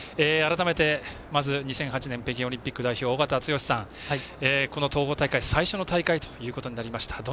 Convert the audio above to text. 改めて、２００８年北京オリンピック代表尾方剛さん、この統合大会最初の大会ということになりました。